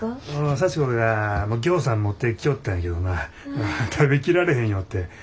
佐知子がぎょうさん持ってきよったんやけどな食べきられへんよって。